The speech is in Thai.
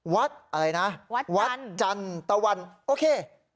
อะไรนะวัดจันตะวันโอเค